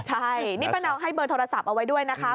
ใช่นี่ป้าเนาให้เบอร์โทรศัพท์เอาไว้ด้วยนะคะ